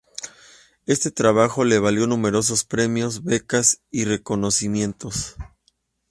Este trabajo le valió numerosos premios, becas y reconocimientos.